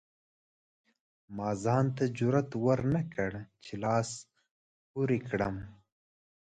ما ځان ته جرئت ورنکړ چې لاس پورې کړم.